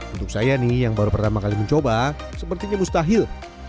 untuk saya nih yang baru pertama kali mencoba sepertinya mustahil